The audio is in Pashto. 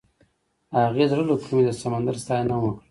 هغې د زړه له کومې د سمندر ستاینه هم وکړه.